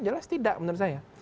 jelas tidak menurut saya